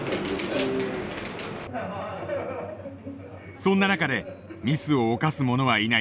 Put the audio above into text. そんな中でミスを犯す者はいないか。